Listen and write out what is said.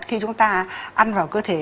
khi chúng ta ăn vào cơ thể